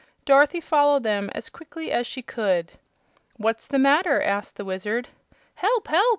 Dorothy followed them as quickly as she could. "What's the matter?" asked the Wizard. "Help! help!"